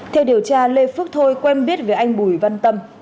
theo điều tra lê phước thôi quen biết với anh bùi văn tâm